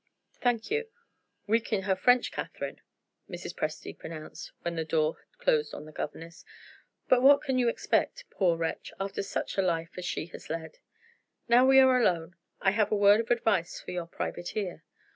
Thank you. Weak in her French, Catherine," Mrs. Presty pronounced, when the door had closed on the governess; "but what can you expect, poor wretch, after such a life as she has led? Now we are alone, I have a word of advice for your private ear.